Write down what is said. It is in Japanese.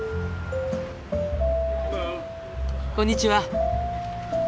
こんにちは。